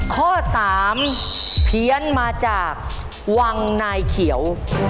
ข้อ๓เพี้ยนมาจากวังนายเขียว